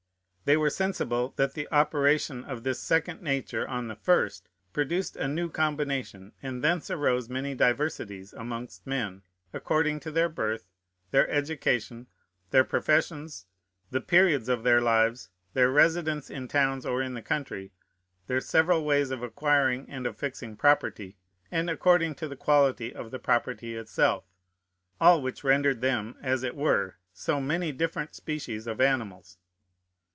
They were sensible that the operation of this second nature on the first produced a new combination, and thence arose many diversities amongst men, according to their birth, their education, their professions, the periods of their lives, their residence in towns or in the country, their several ways of acquiring and of fixing property, and according to the quality of the property itself, all which rendered them, as it were, so many different species of animals.